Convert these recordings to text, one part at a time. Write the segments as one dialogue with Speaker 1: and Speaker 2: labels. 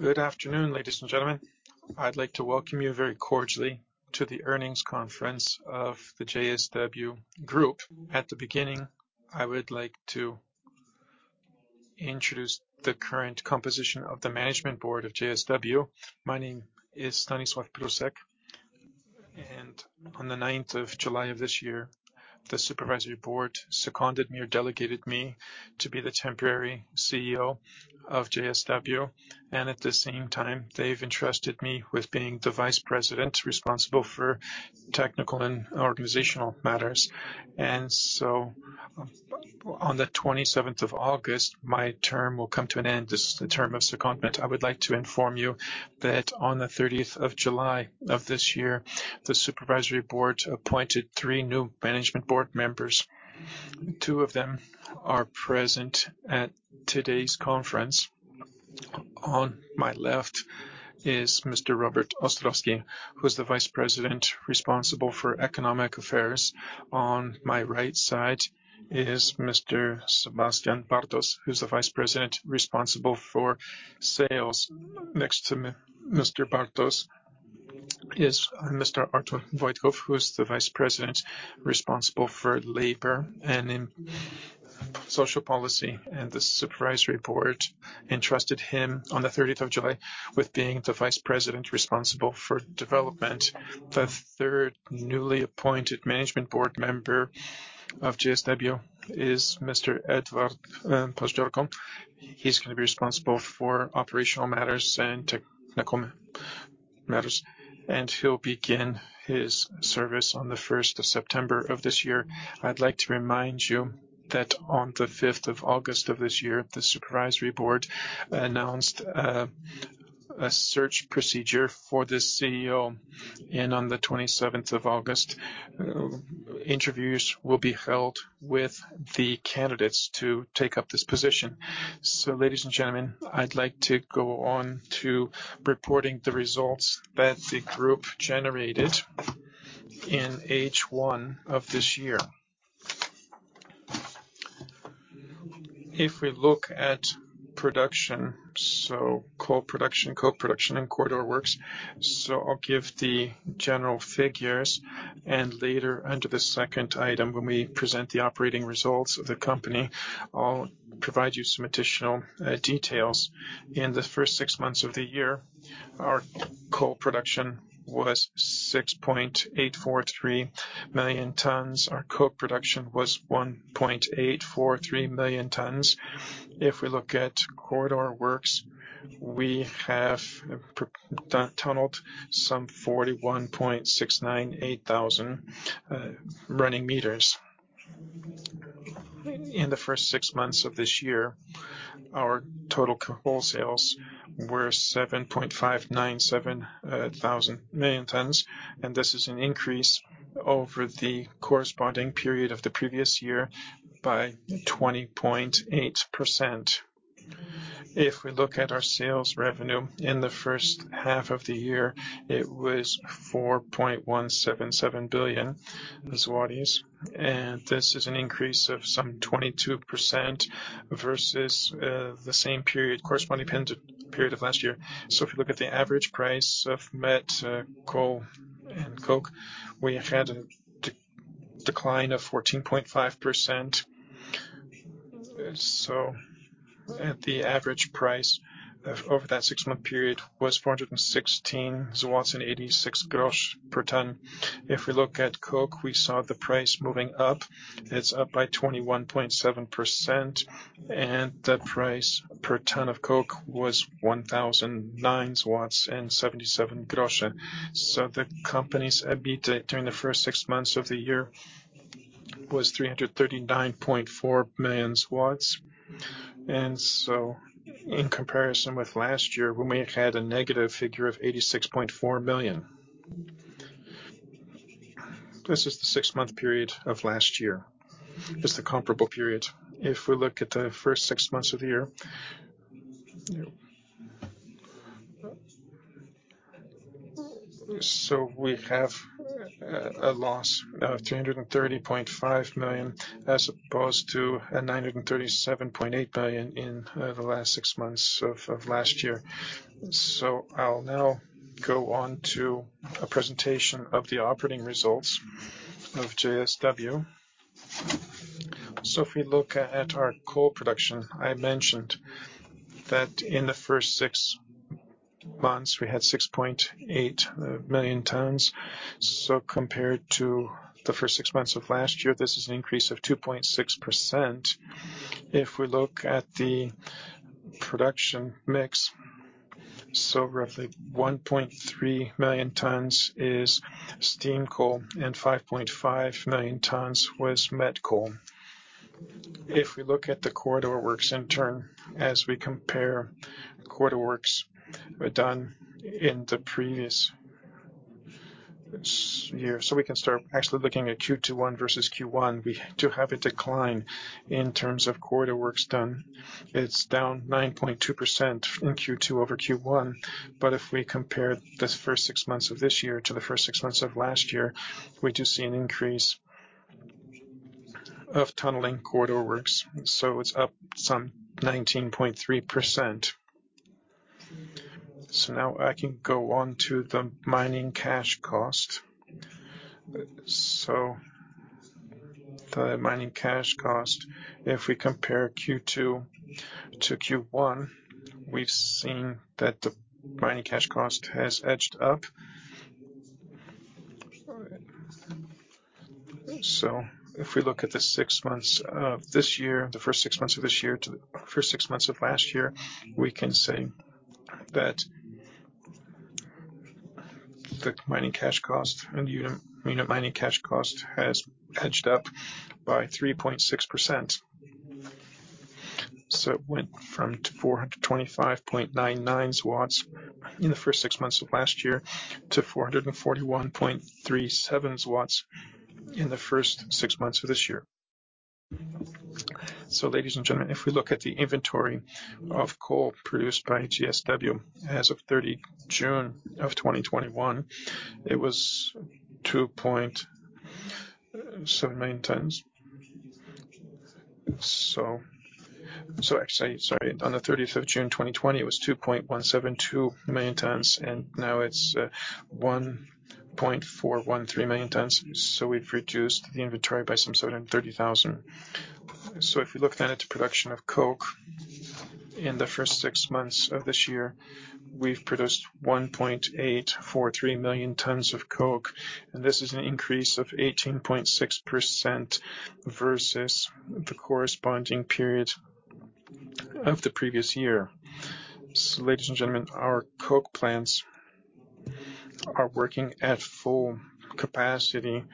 Speaker 1: Good afternoon, ladies and gentlemen. I'd like to welcome you very cordially to the earnings conference of the JSW Group. At the beginning, I would like to introduce the current composition of the Management Board of JSW. My name is Stanisław Prusek, and on the 9th of July of this year, the supervisory board seconded me or delegated me to be the temporary CEO of JSW and at the same time, they've entrusted me with being the Vice President responsible for Technical and Organizational Matters. On the 27th of August, my term will come to an end. This is the term of secondment. I would like to inform you that on the 30th of July of this year, the Supervisory Board appointed three new Management Board members. Two of them are present at today's conference. On my left is Mr. Robert Ostrowski, who's the Vice President responsible for Economic Affairs. On my right side is Mr. Sebastian Bartos, who's the Vice President responsible for Sales. Next to Mr. Bartos is Mr. Artur Wojtków, who's the Vice President responsible for Labor and Social Policy. The Supervisory Board entrusted him on the 30th of July with being the Vice President responsible for Development. The third newly appointed Management Board member of JSW is Mr. Edward Pasternak. He's going to be responsible for Operational Matters and Technical Matters. He'll begin his service on the 1st of September of this year. I'd like to remind you that on the 5th of August of this year, the Supervisory Board announced a search procedure for the CEO. On the 27th of August, interviews will be held with the candidates to take up this position. Ladies and gentlemen, I'd like to go on to reporting the results that the group generated in H1 of this year. If we look at production, so coal production, coke production, and corridor works. I'll give the general figures and later under the second item when we present the operating results of the company, I'll provide you some additional details. In the first six months of the year, our coal production was 6.843 million tons. Our coke production was 1.843 million tons. If we look at corridor works, we have tunneled some 41,698 running meters. In the first six months of this year, our total coal sales were 7.597 million tons and this is an increase over the corresponding period of the previous year by 20.8%. If we look at our sales revenue in the first half of the year, it was 4.177 billion zlotys, and this is an increase of some 22% versus the same corresponding period of last year. If you look at the average price of met coal and coke, we have had a decline of 14.5%. At the average price over that six-month period was 416.86 per ton. If we look at coke, we saw the price moving up. It's up by 21.7% and the price per ton of coke was 1,009.77. The company's EBITDA during the first six months of the year was 339.4 million. In comparison with last year, when we had a negative figure of 86.4 million. This is the six-month period of last year. It's the comparable period. If we look at the first six months of the year, we have a loss of 330.5 million as opposed to 937.8 million in the last six months of last year. I'll now go on to a presentation of the operating results of JSW. If we look at our coal production, I mentioned that in the first six months, we had 6.8 million tons. Compared to the first six months of last year, this is an increase of 2.6%. If we look at the production mix, roughly 1.3 million tons is steam coal and 5.5 million tons was met coal. If we look at the corridor works in turn as we compare corridor works done in the previous year. We can start actually looking at Q2 one versus Q1. We do have a decline in terms of corridor works done. It's down 9.2% in Q2 over Q1. If we compare the first six months of this year to the first six months of last year, we do see an increase of tunneling corridor works. It's up some 19.3%. Now I can go on to the mining cash cost. The mining cash cost, if we compare Q2 to Q1, we've seen that the mining cash cost has edged up. If we look at the first six months of this year to the first six months of last year, we can say that the mining cash cost and unit mining cash cost has edged up by 3.6%. It went from 425.99 in the first six months of last year to 441.37 in the first six months of this year. Ladies and gentlemen, if we look at the inventory of coal produced by JSW as of 30th June of 2021, it was 2.7 million tons. Sorry. On the 30th of June 2020, it was 2.172 million tons, and now it's 1.413 million tons. We've reduced the inventory by some 730,000 tons. If we look then at the production of coke in the first six months of this year, we've produced 1.843 million tons of coke, and this is an increase of 18.6% versus the corresponding period of the previous year. Ladies and gentlemen, our coke plants are working at full capacity.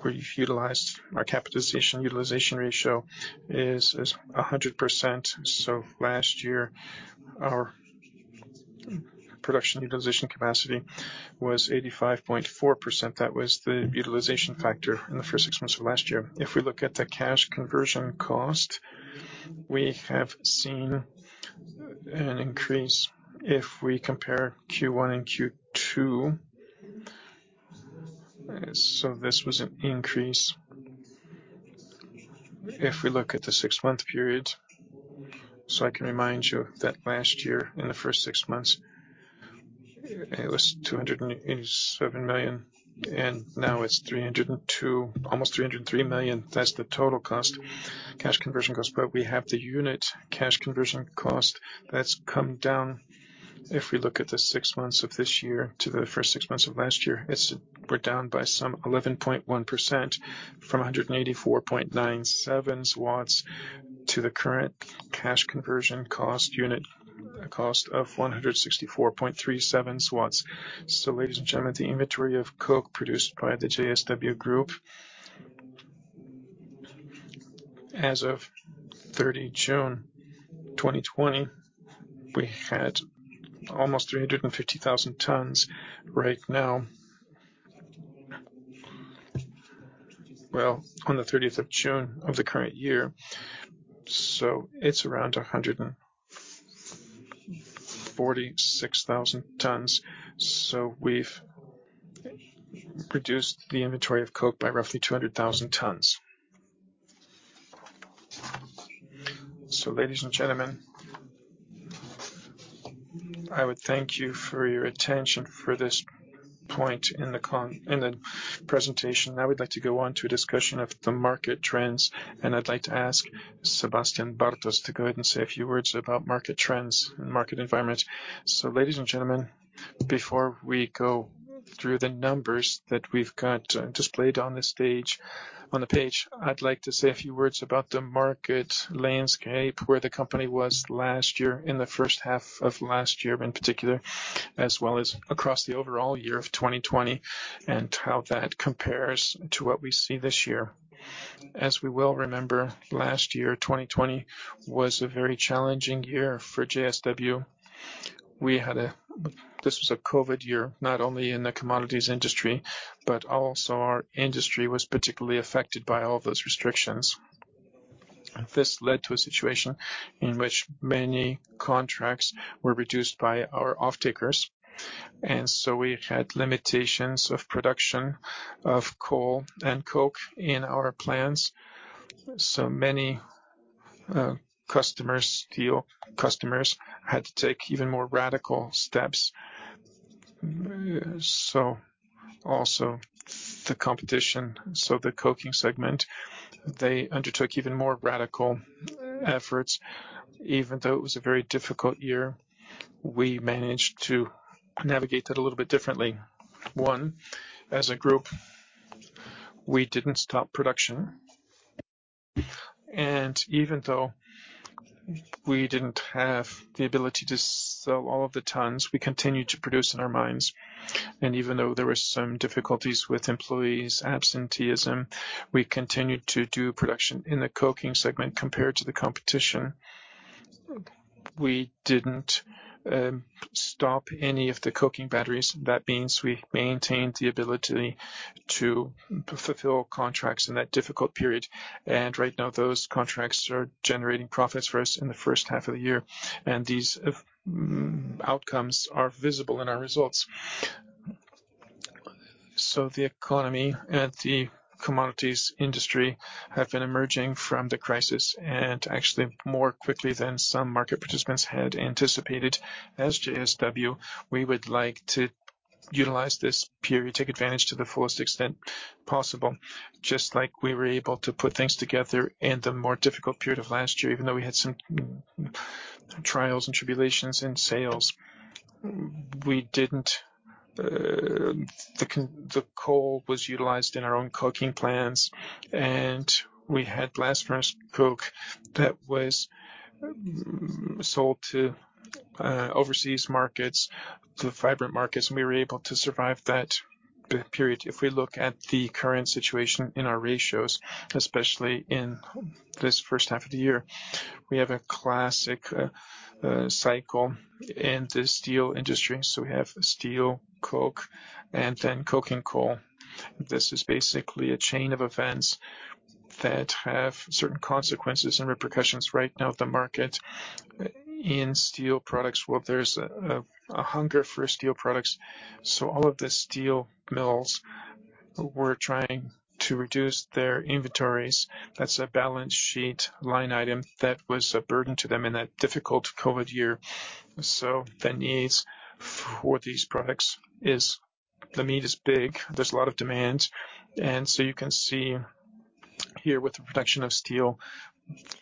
Speaker 1: Our capacity utilization ratio is 100%. Last year, our production utilization capacity was 85.4%. That was the utilization factor in the first six months of last year. If we look at the cash conversion cost, we have seen an increase if we compare Q1 and Q2. This was an increase. If we look at the six-month period, I can remind you that last year in the first six months, it was 287 million, and now it's 302 million almost 303 million. That's the total cash conversion cost. We have the unit cash conversion cost that's come down. If we look at the six months of this year to the first six months of last year, we're down by some 11.1% from 184.97 to the current cash conversion unit cost of 164.37. Ladies and gentlemen, the inventory of coke produced by the JSW Group as of 30 June 2020, we had almost 350,000 tons. Right now, on 30 June of the current year, it's around 146,000 tons. We've reduced the inventory of coke by roughly 200,000 tons. Ladies and gentlemen, I would thank you for your attention for this point in the presentation. I would like to go on to a discussion of the market trends, and I'd like to ask Sebastian Bartos to go ahead and say a few words about market trends and market environment.
Speaker 2: Ladies and gentlemen, before we go through the numbers that we've got displayed on the page, I'd like to say a few words about the market landscape, where the company was last year, in the first half of last year in particular, as well as across the overall year of 2020, and how that compares to what we see this year. As we well remember, last year, 2020, was a very challenging year for JSW. This was a COVID year, not only in the commodities industry, but also our industry was particularly affected by all of those restrictions. This led to a situation in which many contracts were reduced by our offtakers, and so we had limitations of production of coal and coke in our plants. Many steel customers had to take even more radical steps. Also the competition. The coking segment, they undertook even more radical efforts. Even though it was a very difficult year, we managed to navigate that a little bit differently. One, as a group, we didn't stop production. Even though we didn't have the ability to sell all of the tons, we continued to produce in our mines. Even though there were some difficulties with employees' absenteeism, we continued to do production in the coking segment compared to the competition. We didn't stop any of the coking batteries. We maintained the ability to fulfill contracts in that difficult period. Right now, those contracts are generating profits for us in the first half of the year, and these outcomes are visible in our results. The economy and the commodities industry have been emerging from the crisis, and actually more quickly than some market participants had anticipated. As JSW, we would like to utilize this period, take advantage to the fullest extent possible. Just like we were able to put things together in the more difficult period of last year, even though we had some trials and tribulations in sales. The coal was utilized in our own coking plants, and we had last-run coke that was sold to overseas markets, to the vibrant markets, and we were able to survive that period. If we look at the current situation in our ratios, especially in this first half of the year, we have a classic cycle in the steel industry. We have steel coke and then coking coal. This is basically a chain of events that have certain consequences and repercussions. Right now, the market in steel products, well, there's a hunger for steel products. All of the steel mills were trying to reduce their inventories. That's a balance sheet line item that was a burden to them in that difficult COVID year. The needs for these products is the need is big. There's a lot of demand. You can see here with the production of steel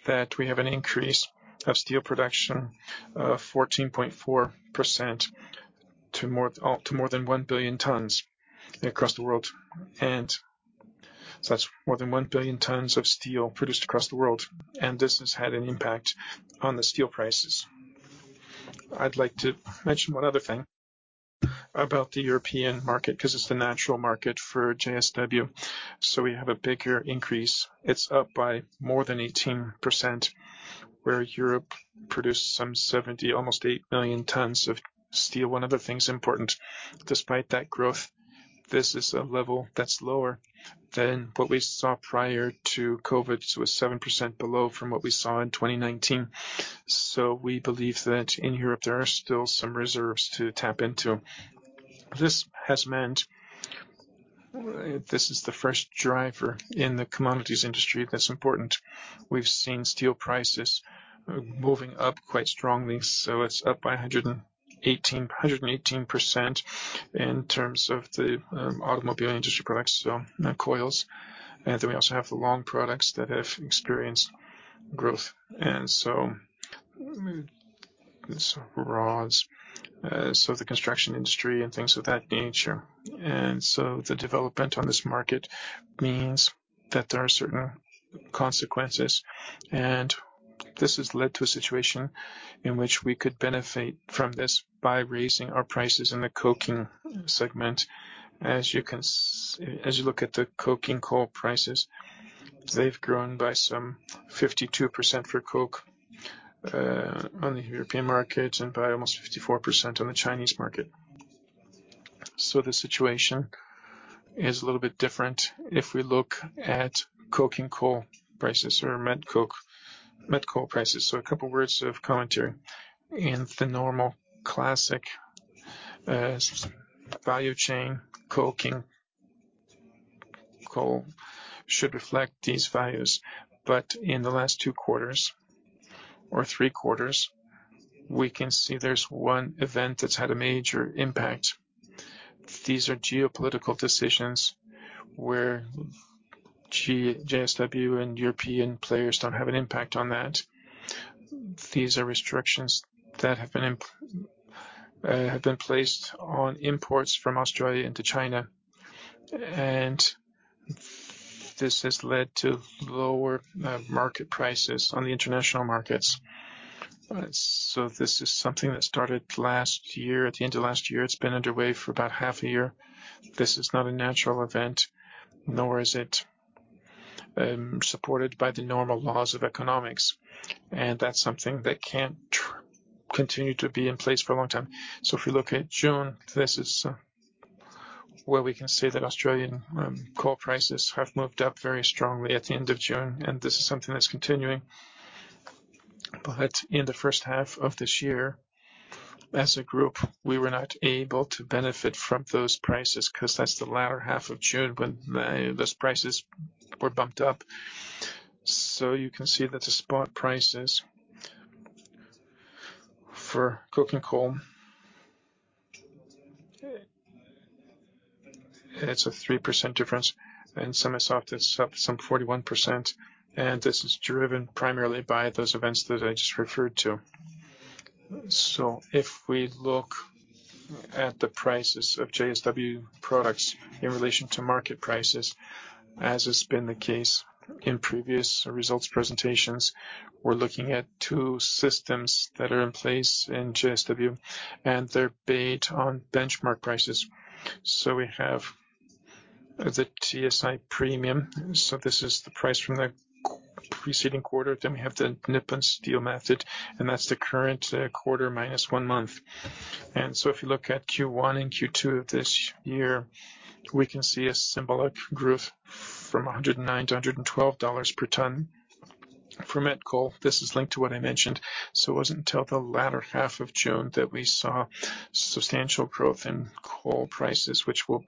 Speaker 2: that we have an increase of steel production of 14.4% to more than 1 billion tons across the world. That's more than 1 billion tons of steel produced across the world. This has had an impact on the steel prices. I'd like to mention one other thing about the European market, because it's the natural market for JSW. We have a bigger increase. It's up by more than 18%, where Europe produced some 70 million tons almost 80 million tons of steel. One of the things important, despite that growth, this is a level that's lower than what we saw prior to COVID. It's 7% below from what we saw in 2019. We believe that in Europe there are still some reserves to tap into. This has meant this is the first driver in the commodities industry that's important. We've seen steel prices moving up quite strongly. It's up by 118% in terms of the automobile industry products, so coils. We also have the long products that have experienced growth. These rods, so the construction industry and things of that nature. The development on this market means that there are certain consequences, and this has led to a situation in which we could benefit from this by raising our prices in the coking segment. As you look at the coking coal prices, they've grown by some 52% for coke on the European market and by almost 54% on the Chinese market. The situation is a little bit different if we look at coking coal prices or met coal prices. A couple words of commentary. In the normal classic value chain, coking coal should reflect these values. In the last two quarters or three quarters, we can see there's one event that's had a major impact. These are geopolitical decisions where JSW and European players don't have an impact on that. These are restrictions that have been placed on imports from Australia into China, and this has led to lower market prices on the international markets. This is something that started last year, at the end of last year. It's been underway for about half a year. This is not a natural event, nor is it supported by the normal laws of economics, and that's something that can't continue to be in place for a long time. If we look at June, this is where we can say that Australian coal prices have moved up very strongly at the end of June, and this is something that's continuing. In the first half of this year, as a group, we were not able to benefit from those prices because that's the latter half of June when those prices were bumped up. You can see that the spot prices for coking coal, it's a 3% difference. In sales, it's up some 41%, and this is driven primarily by those events that I just referred to. If we look at the prices of JSW products in relation to market prices, as has been the case in previous results presentations, we're looking at two systems that are in place in JSW, and they're based on benchmark prices. We have the TSI Premium. This is the price from the preceding quarter. We have the Nippon Steel method, and that's the current quarter minus one month. If you look at Q1 and Q2 of this year, we can see a symbolic growth from $109-$112 per ton for met coal. This is linked to what I mentioned. It wasn't until the latter half of June that we saw substantial growth in coal prices, which will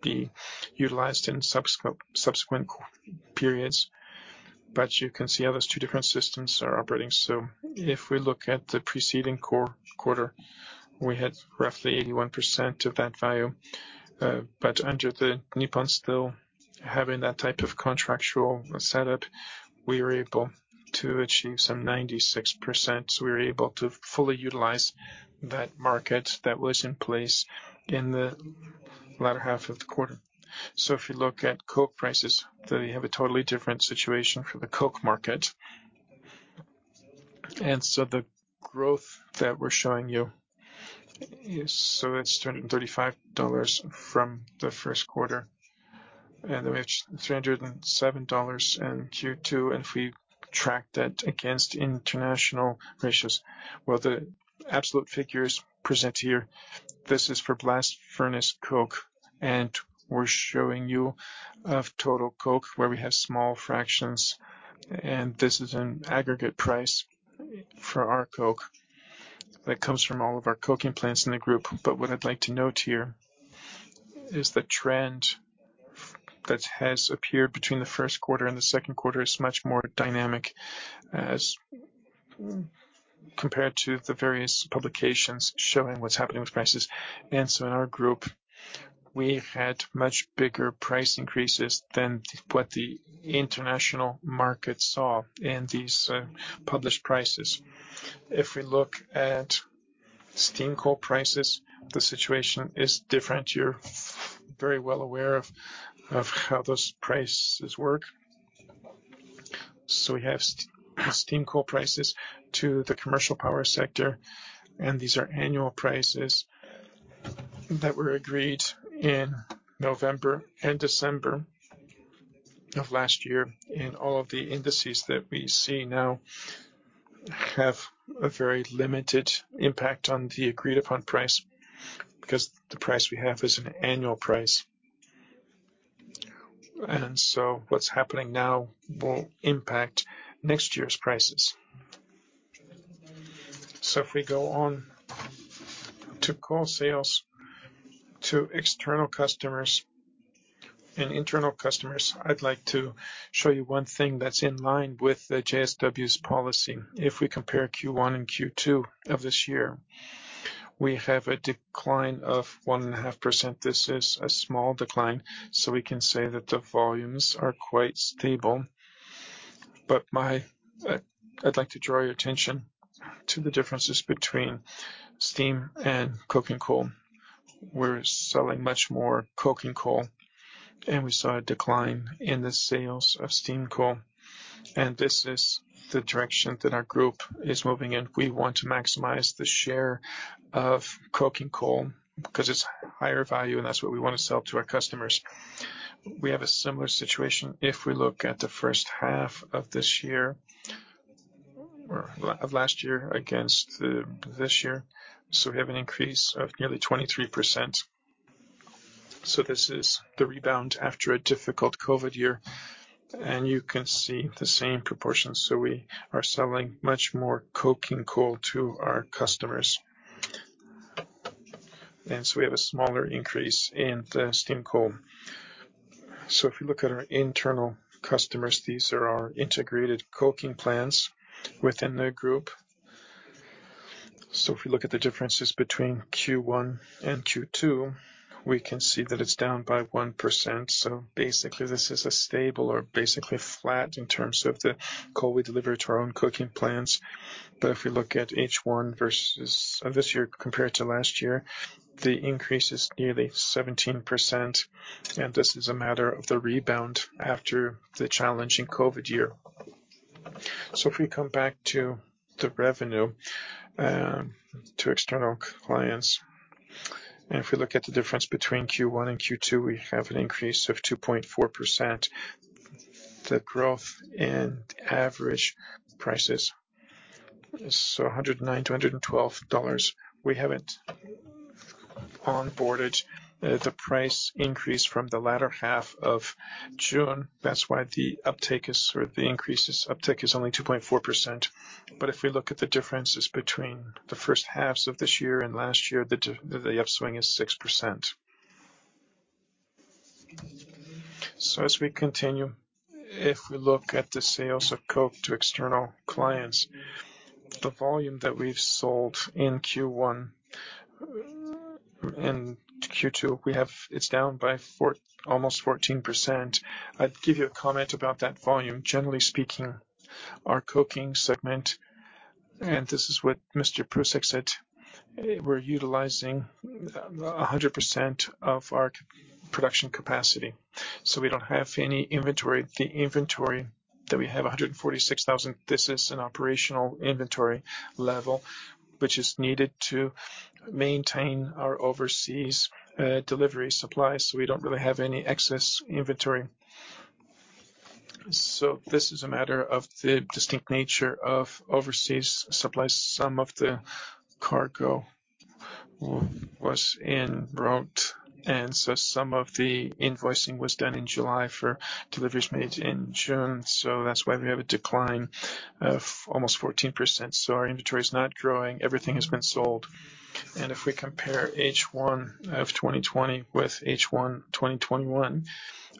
Speaker 2: be utilized in subsequent periods. You can see how those two different systems are operating. If we look at the preceding quarter, we had roughly 81% of that value. Under the Nippon Steel, having that type of contractual setup, we were able to achieve some 96%. We were able to fully utilize that market that was in place in the latter half of the quarter. If you look at coke prices, they have a totally different situation for the coke market. The growth that we're showing you is $335 from the first quarter, then we have $307 in Q2. If we track that against international ratios, well, the absolute figures present here, this is for blast furnace coke, and we're showing you of total coke where we have small fractions, and this is an aggregate price for our coke that comes from all of our coking plants in the group. What I'd like to note here is the trend that has appeared between the first quarter and the second quarter is much more dynamic as compared to the various publications showing what's happening with prices. In our group, we've had much bigger price increases than what the international market saw in these published prices. If we look at steam coal prices, the situation is different. You're very well aware of how those prices work. We have steam coal prices to the commercial power sector, and these are annual prices that were agreed in November and December of last year. All of the indices that we see now have a very limited impact on the agreed-upon price, because the price we have is an annual price. What's happening now will impact next year's prices. If we go on to coal sales to external customers and internal customers, I'd like to show you one thing that's in line with the JSW's policy. If we compare Q1 and Q2 of this year, we have a decline of 1.5%. This is a small decline, so we can say that the volumes are quite stable. I'd like to draw your attention to the differences between steam and coking coal. We're selling much more coking coal, we saw a decline in the sales of steam coal. This is the direction that our group is moving in. We want to maximize the share of coking coal because it's higher value, and that's what we want to sell to our customers. We have a similar situation if we look at the first half of last year against this year. We have an increase of nearly 23%. This is the rebound after a difficult COVID year, and you can see the same proportions. We are selling much more coking coal to our customers. We have a smaller increase in the steam coal. If you look at our internal customers, these are our integrated coking plants within the group. If you look at the differences between Q1 and Q2, we can see that it's down by 1%. Basically, this is a stable or basically flat in terms of the coal we deliver to our own coking plants. If we look at H1 of this year compared to last year, the increase is nearly 17%, and this is a matter of the rebound after the challenging COVID year. If we come back to the revenue to external clients, and if we look at the difference between Q1 and Q2, we have an increase of 2.4%. The growth in average prices is $109-$112. We haven't onboarded the price increase from the latter half of June. That's why the increase uptake is only 2.4%. If we look at the differences between the first halves of this year and last year, the upswing is 6%. As we continue, if we look at the sales of coke to external clients, the volume that we've sold in Q1 and Q2, it's down by almost 14%. I'd give you a comment about that volume. Generally speaking, our coking segment, and this is what Mr. Prusek said, we're utilizing 100% of our production capacity. We don't have any inventory. The inventory that we have, 146,000 tons, this is an operational inventory level, which is needed to maintain our overseas delivery supplies. We don't really have any excess inventory. This is a matter of the distinct nature of overseas supplies. Some of the cargo was en route, and so some of the invoicing was done in July for deliveries made in June. That's why we have a decline of almost 14%. Our inventory is not growing. Everything has been sold. If we compare H1 of 2020 with H1 2021,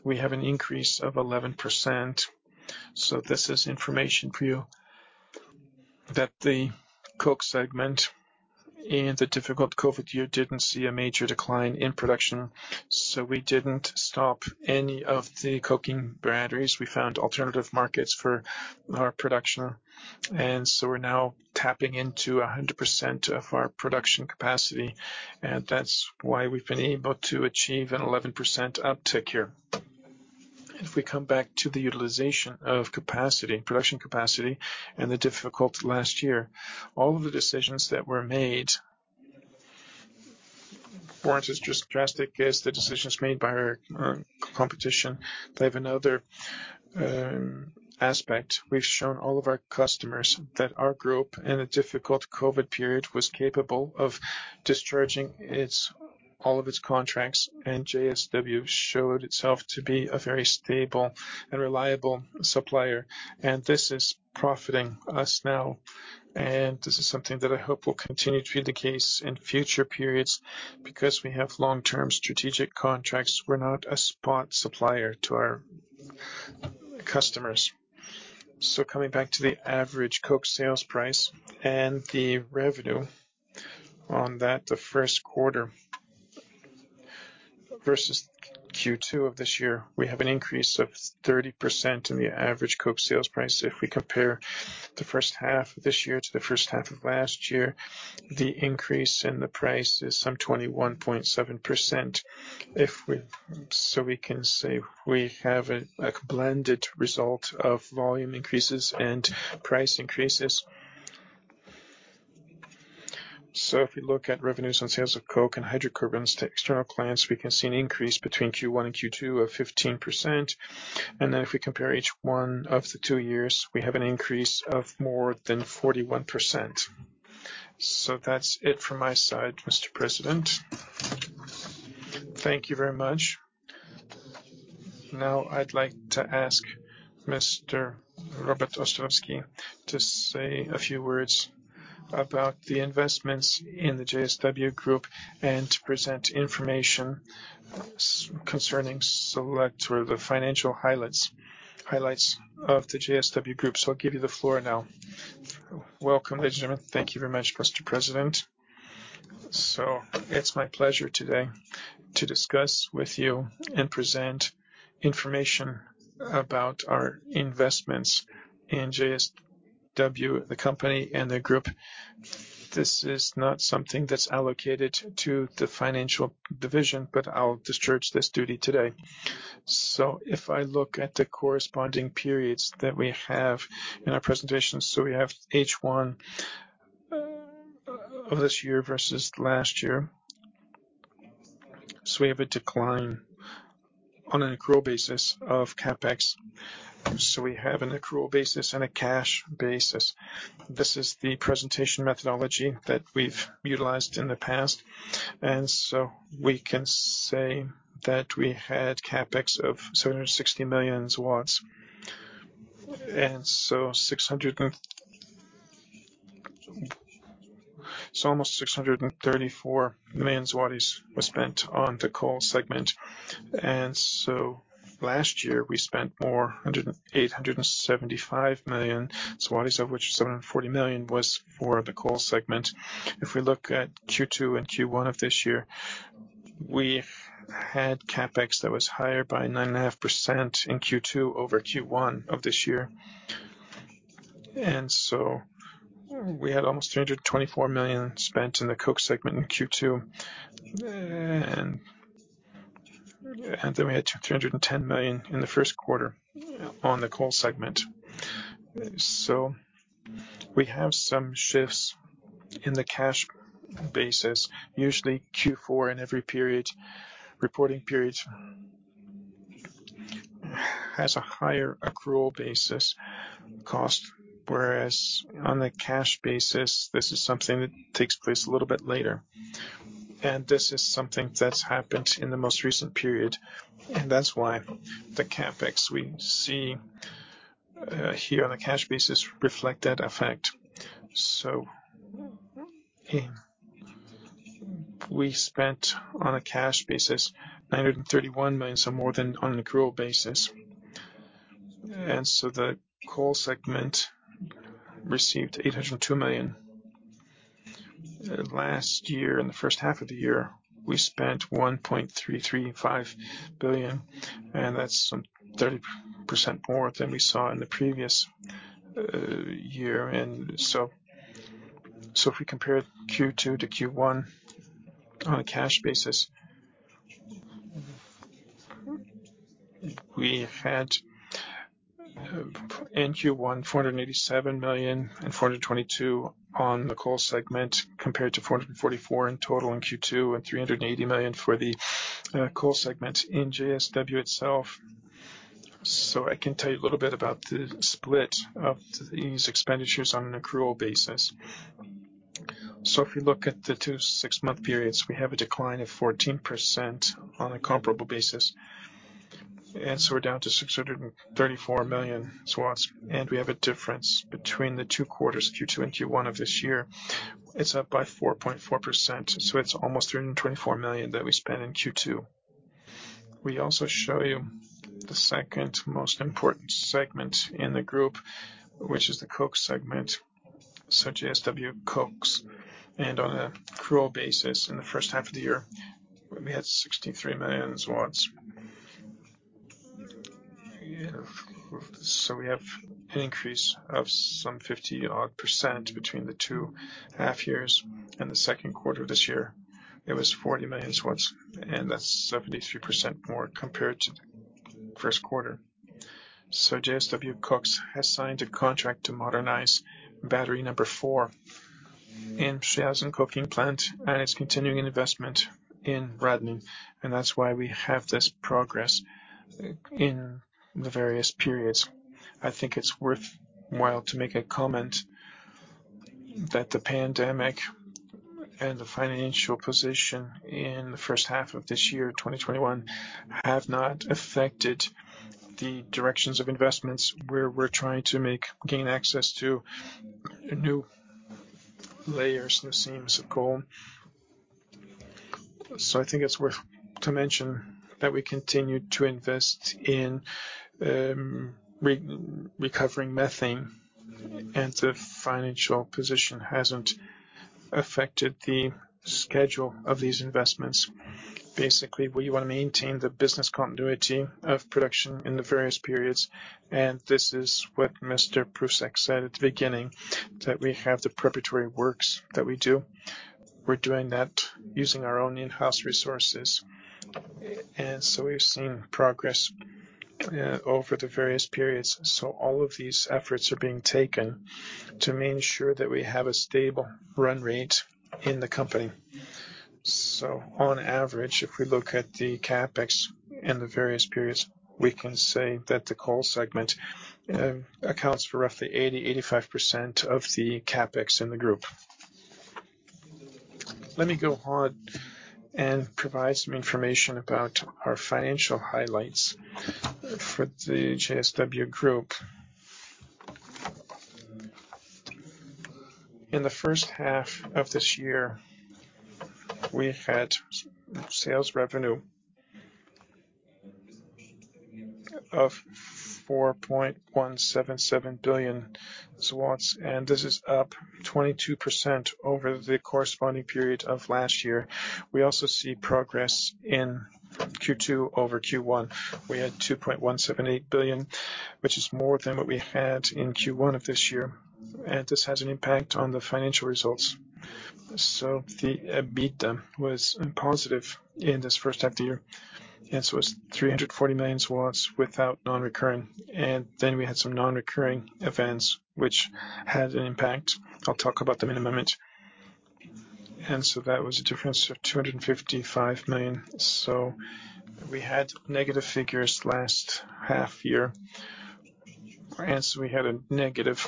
Speaker 2: we have an increase of 11%. This is information for you that the Coke segment in the difficult COVID year didn't see a major decline in production. We didn't stop any of the coking batteries. We found alternative markets for our production. We're now tapping into 100% of our production capacity. That's why we've been able to achieve an 11% uptick here. If we come back to the utilization of production capacity in the difficult last year, all of the decisions that were made weren't as drastic as the decisions made by our competition. They have another aspect. We've shown all of our customers that our group, in a difficult COVID period, was capable of discharging all of its contracts, and JSW showed itself to be a very stable and reliable supplier. This is profiting us now. This is something that I hope will continue to be the case in future periods because we have long-term strategic contracts. We're not a spot supplier to our customers. Coming back to the average coke sales price and the revenue on that, the first quarter versus Q2 of this year, we have an increase of 30% in the average coke sales price. If we compare the first half of this year to the first half of last year, the increase in the price is some 21.7%. We can say we have a blended result of volume increases and price increases. If we look at revenues on sales of coke and hydrocarbons to external clients, we can see an increase between Q1 and Q2 of 15%. If we compare each one of the two years, we have an increase of more than 41%. That's it from my side, Mr. President.
Speaker 1: Thank you very much. Now I'd like to ask Mr. Robert Ostrowski to say a few words about the investments in the JSW Group and to present information concerning select or the financial highlights of the JSW Group. I'll give you the floor now.
Speaker 3: Welcome, ladies and gentlemen. Thank you very much, Mr. President. It's my pleasure today to discuss with you and present information about our investments in JSW, the company and the group. This is not something that's allocated to the financial division, but I'll discharge this duty today. If I look at the corresponding periods that we have in our presentation, we have H1 of this year versus last year. We have a decline on an accrual basis of CapEx. We have an accrual basis and a cash basis. This is the presentation methodology that we've utilized in the past. We can say that we had CapEx of 760 million. Almost 634 million was spent on the Coal segment. Last year, we spent more, 875 million zlotys, of which 740 million was for the Coal segment. If we look at Q2 and Q1 of this year, we had CapEx that was higher by 9.5% in Q2 over Q1 of this year. We had almost 324 million spent in the Coke segment in Q2. We had 310 million in the first quarter on the Coal segment. We have some shifts in the cash basis, usually Q4 in every reporting period has a higher accrual basis cost, whereas on a cash basis, this is something that takes place a little bit later. This is something that's happened in the most recent period, and that's why the CapEx we see here on a cash basis reflect that effect. We spent, on a cash basis, 931 million, so more than on an accrual basis. The Coal segment received 802 million. Last year, in the first half of the year, we spent 1.335 billion, and that's some 30% more than we saw in the previous year. If we compare Q2 to Q1 on a cash basis, we had in Q1 487 million and 422 million on the Coal segment, compared to 444 million in total in Q2 and 380 million for the Coal segment in JSW itself. I can tell you a little bit about the split of these expenditures on an accrual basis. If you look at the two six-month periods, we have a decline of 14% on a comparable basis. We're down to 634 million, and we have a difference between the two quarters, Q2 and Q1 of this year. It's up by 4.4%, so it's almost 324 million that we spent in Q2. We also show you the second most important segment in the group, which is the Coke segment, JSW Koks. On an accrual basis in the first half of the year, we had 63 million. We have an increase of some 50%-odd between the two half years and the second quarter of this year. It was 40 million, and that's 73% more compared to the first quarter. JSW Koks has signed a contract to modernize battery number four in the Przyjaźń coking plant, and it's continuing an investment in Radlin, and that's why we have this progress in the various periods. I think it's worthwhile to make a comment that the pandemic and the financial position in the first half of this year, 2021, have not affected the directions of investments where we're trying to gain access to new layers, new seams of coal. I think it's worth to mention that we continued to invest in recovering methane and the financial position hasn't affected the schedule of these investments. Basically, we want to maintain the business continuity of production in the various periods. This is what Mr. Prusek said at the beginning, that we have the preparatory works that we do. We're doing that using our own in-house resources. So we've seen progress over the various periods. All of these efforts are being taken to make sure that we have a stable run rate in the company. On average, if we look at the CapEx in the various periods, we can say that the Coal segment accounts for roughly 80%-85% of the CapEx in the group. Let me go on and provide some information about our financial highlights for the JSW Group. In the first half of this year, we had sales revenue of 4.177 billion. This is up 22% over the corresponding period of last year. We also see progress in Q2 over Q1. We had 2.178 billion, which is more than what we had in Q1 of this year. This has an impact on the financial results. The EBITDA was positive in this first half of the year. It was 340 million without non-recurring. We had some non-recurring events which had an impact. I'll talk about them in a moment. That was a difference of 255 million. We had negative figures last half year. We had a negative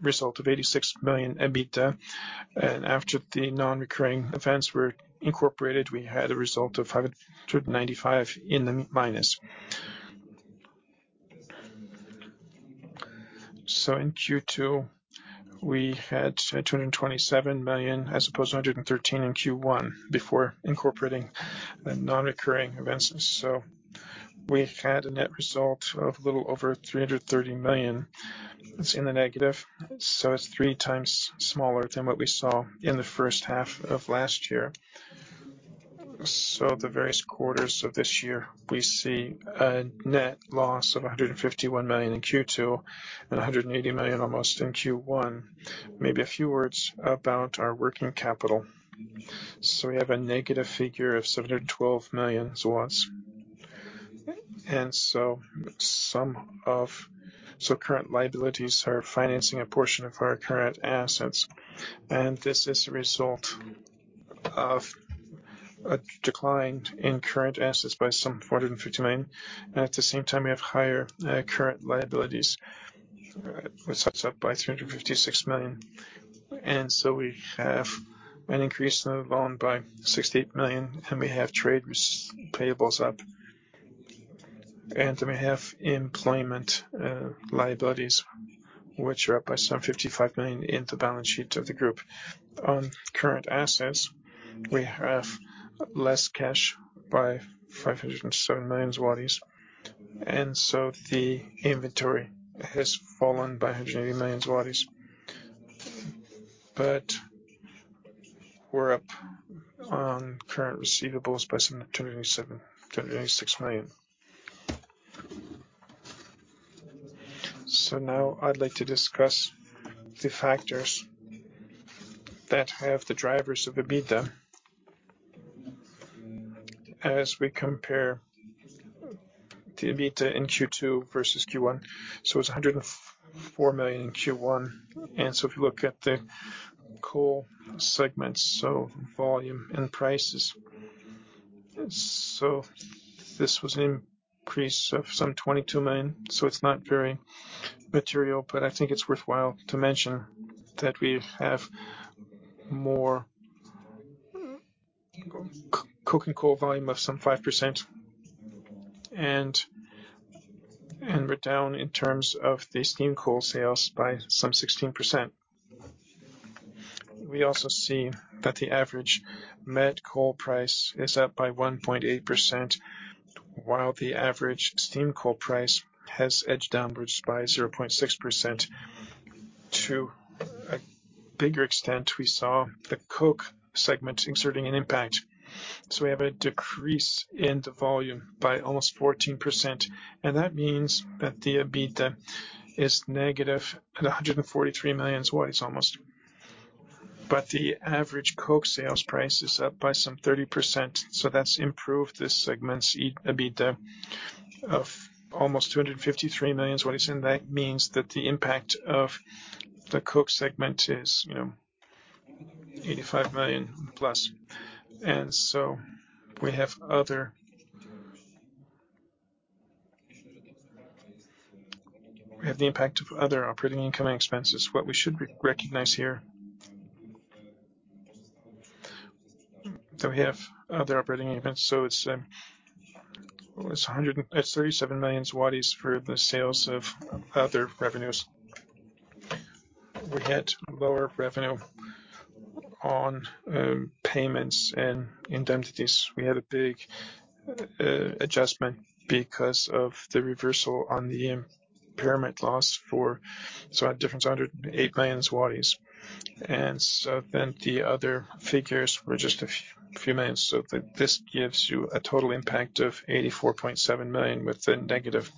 Speaker 3: result of 86 million EBITDA. After the non-recurring events were incorporated, we had a result of 595 million in the minus. In Q2, we had 227 million as opposed to 113 million in Q1 before incorporating the non-recurring events. We had a net result of a little over 330 million. It's in the negative, so it's 3x smaller than what we saw in the first half of last year. The various quarters of this year, we see a net loss of 151 million in Q2 and 180 million almost in Q1. Maybe a few words about our working capital. We have a negative figure of 712 million. Current liabilities are financing a portion of our current assets, and this is a result of a decline in current assets by some 450 million. At the same time, we have higher current liabilities, which are up by 356 million. We have an increase in the loan by 68 million, and we have trade payables up, and then we have employment liabilities, which are up by some 55 million in the balance sheet of the JSW Group. On current assets, we have less cash by 507 million zlotys. The inventory has fallen by 180 million zlotys. We're up on current receivables by some 286 million. Now I'd like to discuss the factors that have the drivers of EBITDA as we compare the EBITDA in Q2 versus Q1. It's 104 million in Q1, if you look at the Coal segments, volume and prices. This was an increase of some 22 million. It's not very material, but I think it's worthwhile to mention that we have more coke and coal volume of some 5%, and we're down in terms of the steam coal sales by some 16%. We also see that the average met coal price is up by 1.8%, while the average steam coal price has edged downwards by 0.6%. To a bigger extent, we saw the Coke segment exerting an impact. We have a decrease in the volume by almost 14%, and that means that the EBITDA is negative at 143 million almost. The average Coke sales price is up by some 30%, so that's improved this segment's EBITDA of almost 253 million. That means that the impact of the Coke segment is 85 million+. We have the impact of other operating income and expenses. What we should recognize here, so we have other operating events. It's 37 million zlotys for the sales of other revenues. We had lower revenue on payments and indemnities. We had a big adjustment because of the reversal on the impairment loss, so a difference of 108 million zlotys. The other figures were just a few million złotys. This gives you a total impact of 84.7 million with a negative.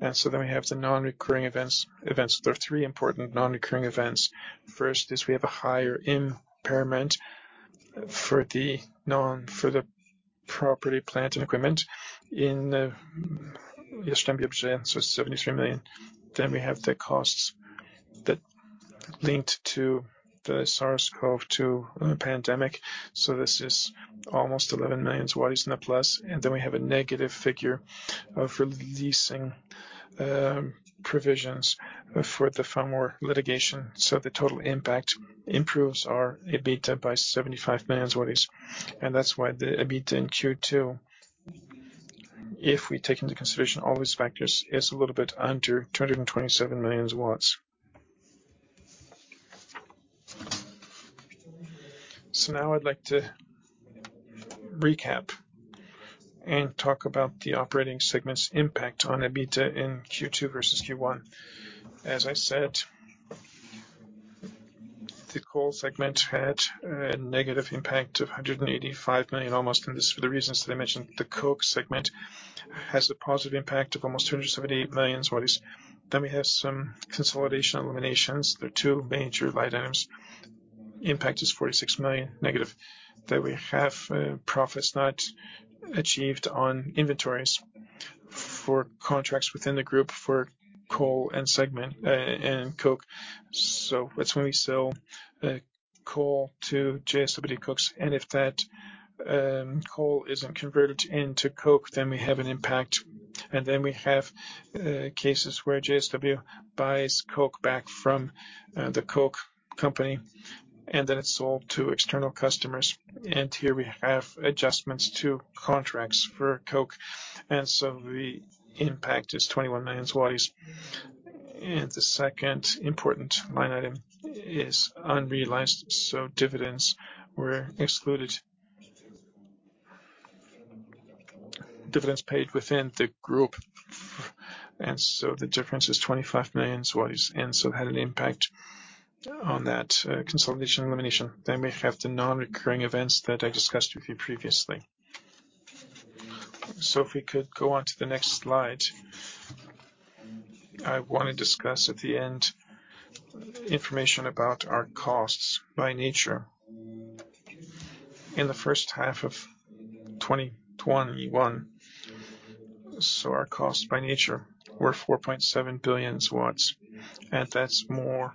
Speaker 3: Then we have the non-recurring events. There are three important non-recurring events. First is we have a higher impairment for the property, plant, and equipment in Jastrzębie-Bzie, 73 million. Then we have the costs that linked to the SARS-CoV-2 pandemic. This is almost 11 million and a plus. We have a negative figure of releasing provisions for the framework litigation. The total impact improves our EBITDA by 75 million. That's why the EBITDA in Q2, if we take into consideration all these factors, is a little bit under 227 million. Now I'd like to recap and talk about the operating segment's impact on EBITDA in Q2 versus Q1. I said, the Coal segment had a negative impact of 185 million almost, and this is for the reasons that I mentioned. The Coke segment has a positive impact of almost 278 million. We have some consolidation eliminations. There are two major line items. Impact is -46 million. We have profits not achieved on inventories for contracts within the group for coal and coke. That's when we sell coal to JSW Koks, if that coal isn't converted into coke, then we have an impact. We have cases where JSW buys coke back from the coke company, and then it's sold to external customers. Here we have adjustments to contracts for coke. The impact is 21 million zlotys. The second important line item is unrealized. Dividends were excluded. Dividends paid within the group. The difference is 25 million, had an impact on that consolidation elimination. We have the non-recurring events that I discussed with you previously. If we could go on to the next slide. I want to discuss at the end information about our costs by nature. In the first half of 2021, our costs by nature were 4.7 billion, and that's more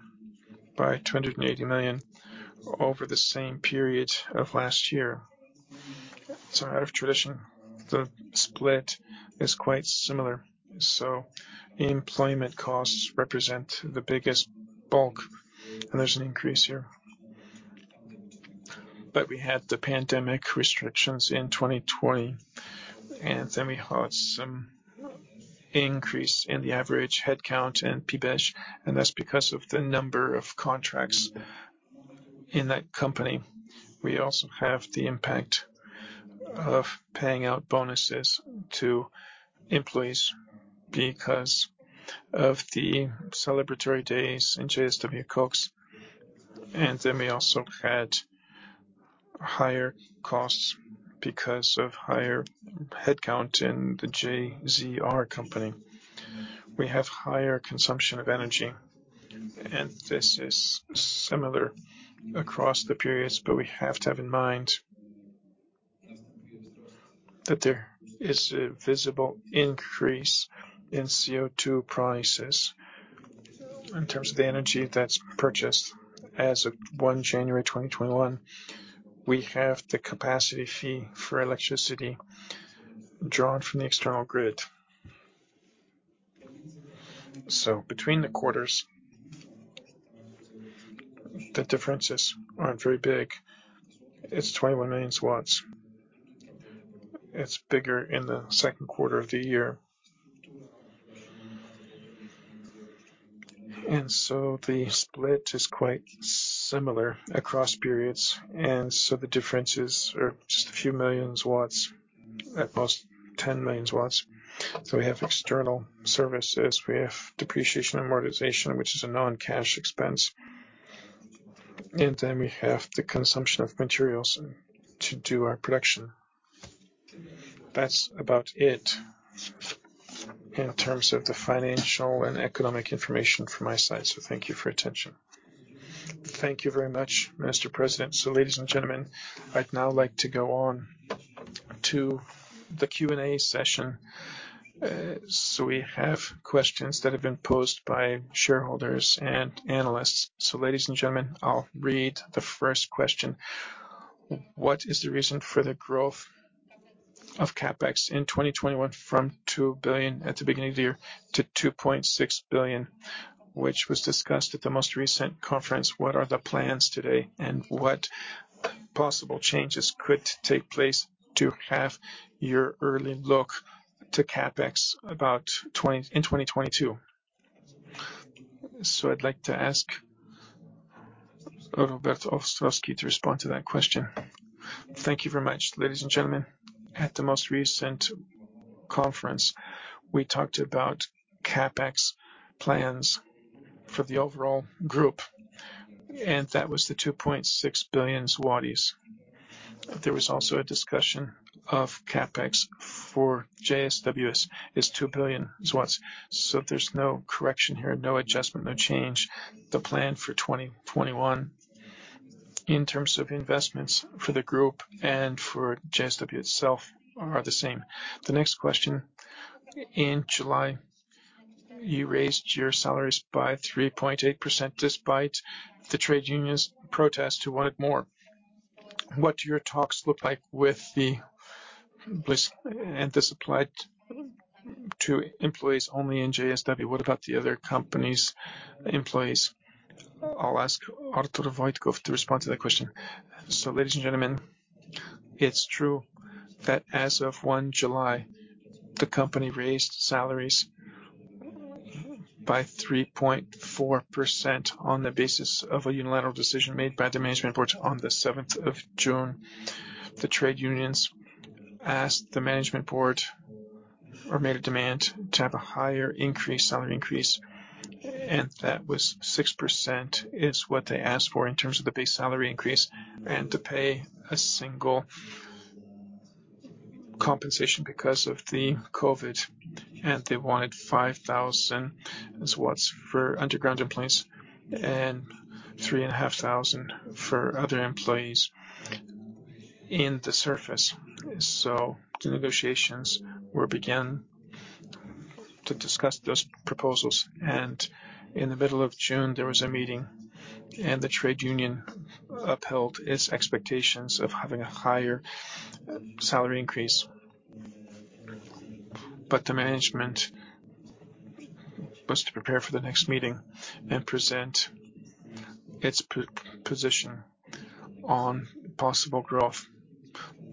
Speaker 3: by 280 million over the same period of last year. Out of tradition, the split is quite similar. Employment costs represent the biggest bulk, and there's an increase here. We had the pandemic restrictions in 2020, we had some increase in the average headcount in PBSz, and that's because of the number of contracts in that company. We also have the impact of paying out bonuses to employees because of the celebratory days in JSW Koks. Then we also had higher costs because of higher headcount in the JZR company. We have higher consumption of energy, and this is similar across the periods, but we have to have in mind that there is a visible increase in CO2 prices. In terms of the energy that's purchased as of 1 January 2021, we have the capacity fee for electricity drawn from the external grid. Between the quarters, the differences aren't very big. It's 21 million W. It's bigger in the second quarter of the year. So the split is quite similar across periods, so the differences are just a few million watts, at most 10 million W. We have external services, we have depreciation and amortization, which is a non-cash expense, and then we have the consumption of materials to do our production. That's about it in terms of the financial and economic information from my side. Thank you for attention.
Speaker 1: Thank you very much, Mr. President. Ladies and gentlemen, I'd now like to go on to the Q and A session. We have questions that have been posed by shareholders and analysts. Ladies and gentlemen, I'll read the first question. What is the reason for the growth of CapEx in 2021 from 2 billion at the beginning of the year to 2.6 billion, which was discussed at the most recent conference? What are the plans today, and what possible changes could take place to have your early look to CapEx in 2022? I'd like to ask Robert Ostrowski to respond to that question.
Speaker 3: Thank you very much. Ladies and gentlemen, at the most recent conference, we talked about CapEx plans for the overall group, and that was 2.6 billion zlotys. There was also a discussion of CapEx for JSW is 2 billion zlotys. There's no correction here, no adjustment, no change. The plan for 2021 in terms of investments for the group and for JSW itself are the same.
Speaker 1: The next question. In July, you raised your salaries by 3.8% despite the trade unions' protest, who wanted more. What do your talks look like with the employees? This applied to employees only in JSW. What about the other companies' employees? I'll ask Artur Wojtków to respond to that question.
Speaker 4: Ladies and gentlemen, it's true that as of 1 July, the company raised salaries by 3.4% on the basis of a unilateral decision made by the Management Board on the 7th of June. The trade unions asked the Management Board or made a demand to have a higher salary increase, and that was 6%, is what they asked for in terms of the base salary increase. To pay a single compensation because of the COVID, and they wanted 5,000 for underground employees and 3,500 for other employees in the surface. The negotiations were began to discuss those proposals, and in the middle of June, there was a meeting, and the trade union upheld its expectations of having a higher salary increase. The management was to prepare for the next meeting and present its position on possible growth.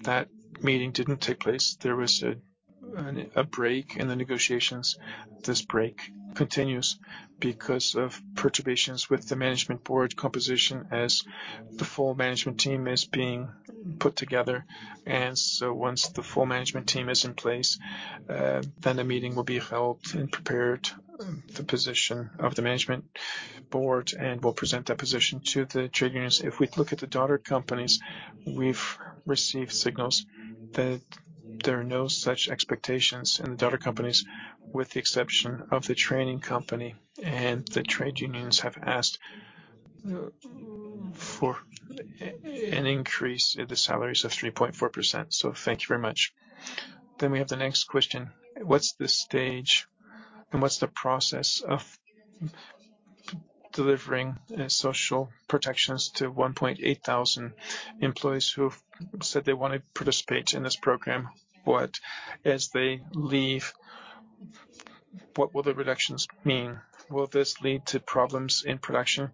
Speaker 4: That meeting didn't take place. There was a break in the negotiations. This break continues because of perturbations with the Management Board composition as the full management team is being put together. Once the full management team is in place, the meeting will be held and prepared, the position of the Management Board, we'll present that position to the trade unions. If we look at the daughter companies, we've received signals that there are no such expectations in the daughter companies, with the exception of the training company, the trade unions have asked for an increase in the salaries of 3.4%.
Speaker 1: Thank you very much. We have the next question. What's the stage and what's the process of delivering social protections to 1,800 employees who've said they want to participate in this program? As they leave, what will the reductions mean? Will this lead to problems in production?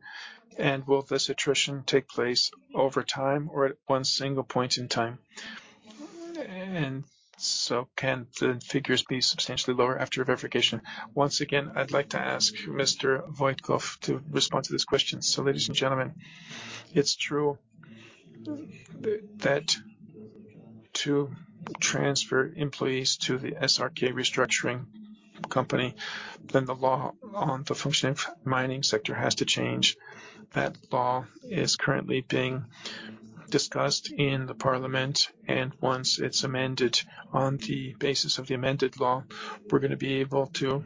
Speaker 1: Will this attrition take place over time or at one single point in time? Can the figures be substantially lower after verification? Once again, I'd like to ask Mr. Wojtków to respond to this question.
Speaker 4: Ladies and gentlemen, it's true that to transfer employees to the SRK restructuring company, then the law on the functioning of mining sector has to change. That law is currently being discussed in the Parliament, and once it's amended, on the basis of the amended law, we're going to be able to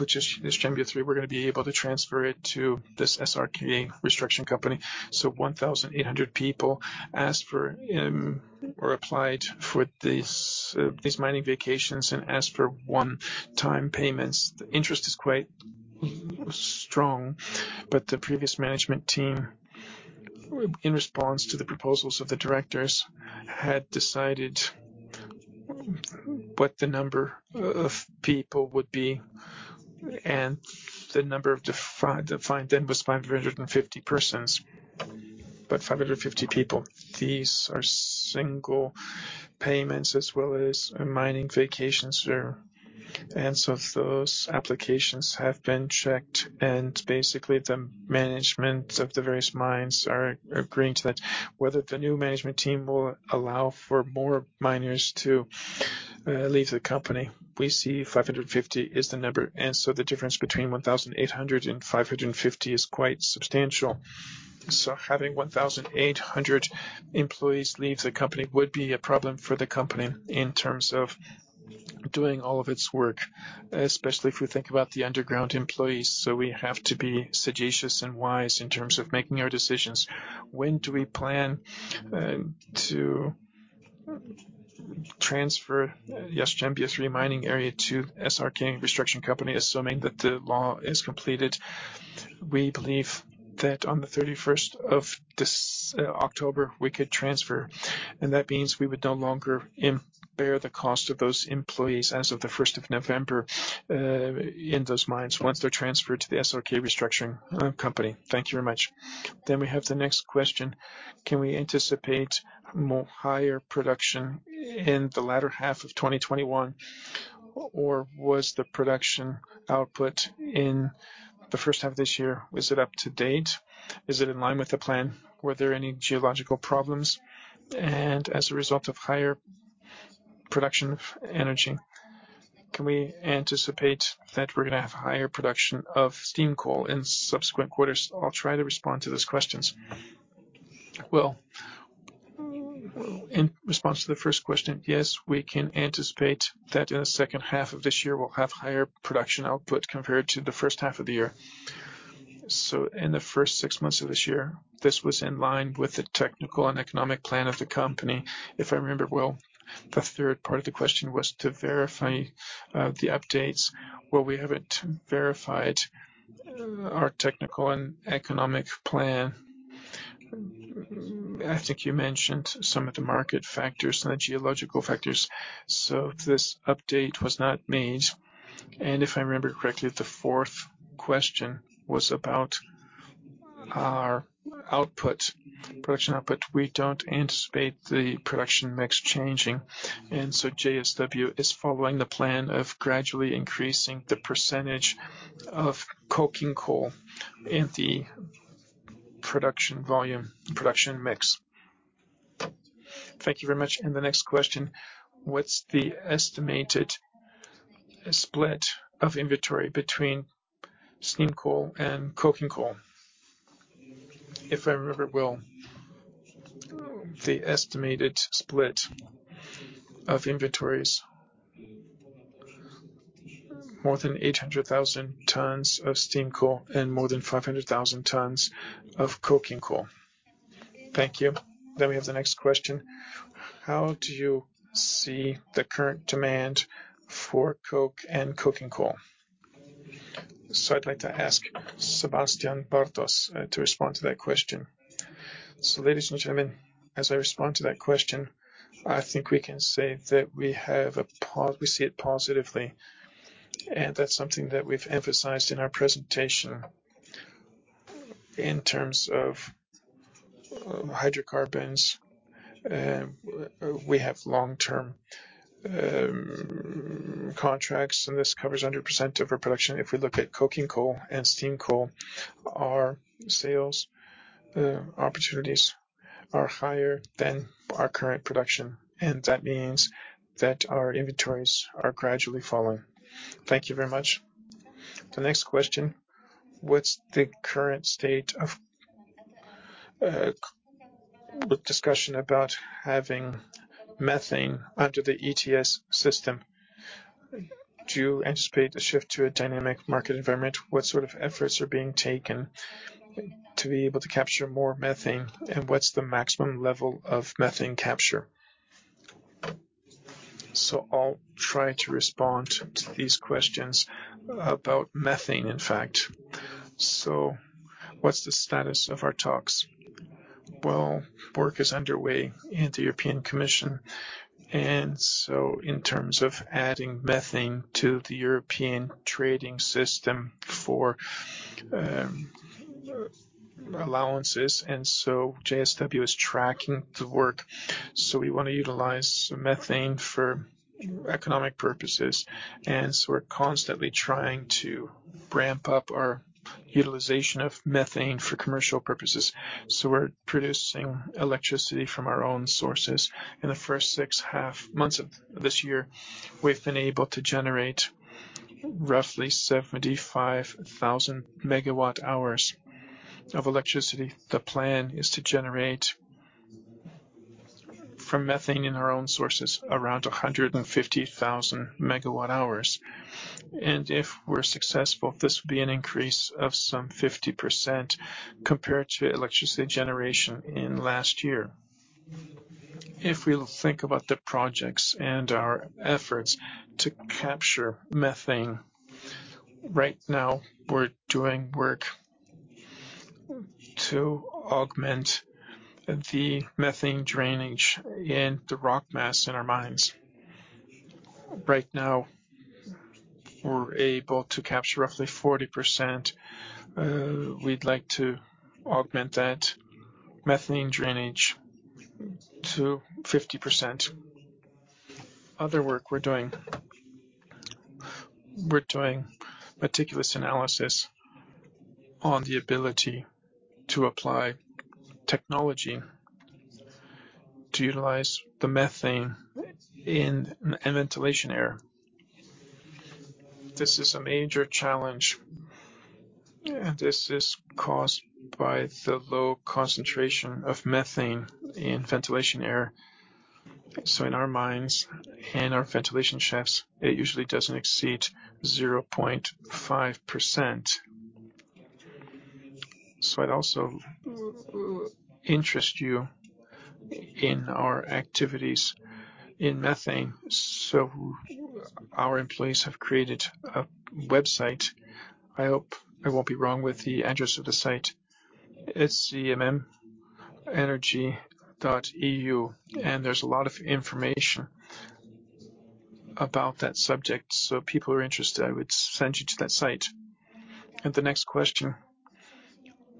Speaker 4: which is Jastrzębie III, we're going to be able to transfer it to this SRK restructuring company. 1,800 people asked for or applied for these mining vacations and asked for one-time payments. The interest is quite strong, but the previous management team, in response to the proposals of the Directors, had decided what the number of people would be, and the number defined then was 550 persons. 550 people, these are single payments as well as mining vacations. Those applications have been checked, and basically, the management of the various mines are agreeing to that, whether the new management team will allow for more miners to leave the company. We see 550 is the number, and so the difference between 1,800 and 550 is quite substantial. Having 1,800 employees leave the company would be a problem for the company in terms of doing all of its work, especially if we think about the underground employees. We have to be sagacious and wise in terms of making our decisions. When do we plan to transfer Jastrzębie III mining area to SRK Restructuring Company, assuming that the law is completed? We believe that on the 31st of this October, we could transfer, and that means we would no longer bear the cost of those employees as of the 1st of November in those mines once they're transferred to the SRK Restructuring Company.
Speaker 1: Thank you very much. We have the next question. Can we anticipate higher production in the latter half of 2021, or was the production output in the first half of this year, was it up to date? Is it in line with the plan? Were there any geological problems? As a result of higher production of energy, can we anticipate that we're going to have higher production of steam coal in subsequent quarters? I'll try to respond to those questions. In response to the first question, yes, we can anticipate that in the second half of this year, we'll have higher production output compared to the first half of the year. In the first six months of this year, this was in line with the technical and economic plan of the company, if I remember well. The third part of the question was to verify the updates. We haven't verified our technical and economic plan. I think you mentioned some of the market factors, not geological factors. This update was not made. If I remember correctly, the fourth question was about our production output. We don't anticipate the production mix changing, JSW is following the plan of gradually increasing the percentage of coking coal in the production mix. Thank you very much. The next question, what's the estimated split of inventory between steam coal and coking coal? If I remember well, the estimated split of inventories, more than 800,000 tons of steam coal and more than 500,000 tons of coking coal. Thank you. We have the next question. How do you see the current demand for coke and coking coal? I'd like to ask Sebastian Bartos to respond to that question.
Speaker 2: Ladies and gentlemen, as I respond to that question, I think we can say that we see it positively, and that's something that we've emphasized in our presentation. In terms of hydrocarbons, we have long-term contracts, and this covers 100% of our production. If we look at coking coal and steam coal, our sales opportunities are higher than our current production, and that means that our inventories are gradually falling.
Speaker 1: Thank you very much. The next question, what's the current state of discussion about having methane under the ETS system? Do you anticipate a shift to a dynamic market environment? What sort of efforts are being taken to be able to capture more methane, and what's the maximum level of methane capture? I'll try to respond to these questions about methane, in fact. What's the status of our talks? Work is underway in the European Commission, in terms of adding methane to the European trading system for allowances, JSW is tracking the work. We want to utilize methane for economic purposes, we're constantly trying to ramp up our utilization of methane for commercial purposes. We're producing electricity from our own sources. In the first six months of this year, we've been able to generate roughly 75,000 MWh of electricity. The plan is to generate from methane in our own sources, around 150,000 MWh. If we're successful, this would be an increase of some 50% compared to electricity generation in last year. If we think about the projects and our efforts to capture methane, right now, we're doing work to augment the methane drainage in the rock mass in our mines. Right now, we're able to capture roughly 40%. We'd like to augment that methane drainage to 50%. Other work we're doing, we're doing meticulous analysis on the ability to apply technology to utilize the methane in ventilation air. This is a major challenge. This is caused by the low concentration of methane in ventilation air. In our mines and our ventilation shafts, it usually doesn't exceed 0.5%. I'd also interest you in our activities in methane. Our employees have created a website. I hope I won't be wrong with the address of the site. It's cmmenergy.eu, and there's a lot of information about that subject. People who are interested, I would send you to that site. The next question,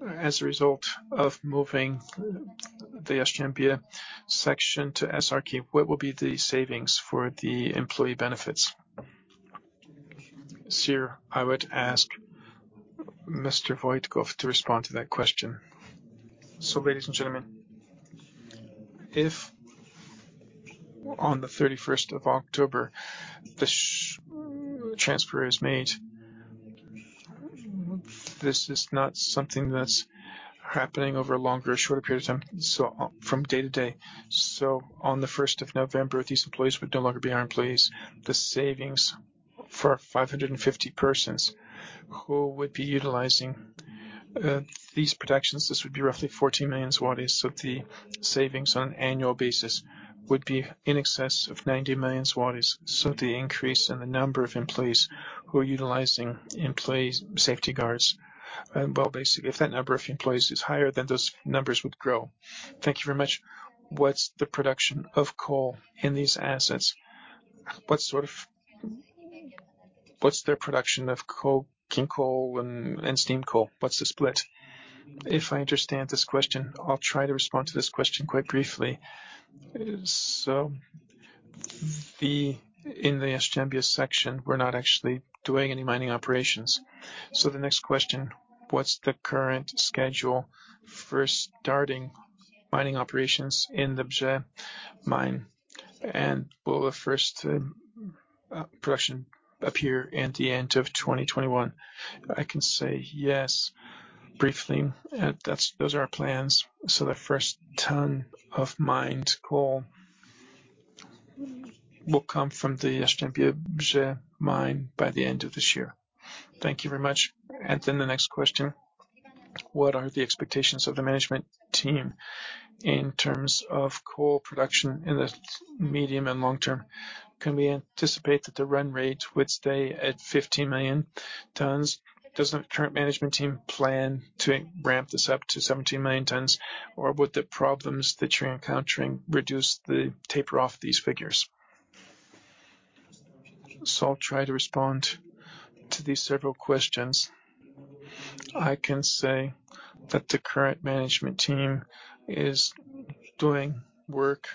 Speaker 1: as a result of moving the Jastrzębie section to SRK, what will be the savings for the employee benefits? Sir, I would ask Mr. Wojtków to respond to that question.
Speaker 4: Ladies and gentlemen, if on the 31st of October, the transfer is made, this is not something that's happening over a longer or shorter period of time, from day to day. On the 1st of November, these employees would no longer be our employees. The savings for 550 persons who would be utilizing these protections, this would be roughly 14 million. The savings on an annual basis would be in excess of 90 million. The increase in the number of employees who are utilizing employee safety guards. Basically, if that number of employees is higher, then those numbers would grow.
Speaker 1: Thank you very much. What's the production of coal in these assets? What's their production of coking coal and steam coal? What's the split? If I understand this question, I'll try to respond to this question quite briefly. In the Jastrzębie section, we're not actually doing any mining operations. The next question, what's the current schedule for starting mining operations in the Bzie mine? Will the first production appear at the end of 2021? I can say yes, briefly. Those are our plans. The first ton of mined coal will come from the Jastrzębie-Bzie mine by the end of this year. Thank you very much. The next question, what are the expectations of the management team in terms of coal production in the medium and long term? Can we anticipate that the run rate would stay at 15 million tons? Does the current management team plan to ramp this up to 17 million tons? Would the problems that you're encountering reduce the taper off these figures? I'll try to respond to these several questions. I can say that the current management team is doing work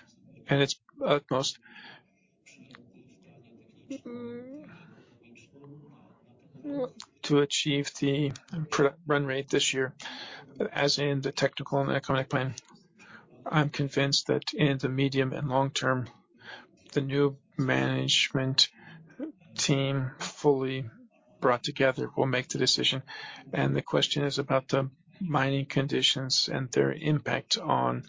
Speaker 1: at its utmost to achieve the run rate this year, as in the technical and economic plan. I'm convinced that in the medium and long term, the new management team fully brought together will make the decision. The question is about the mining conditions and their impact on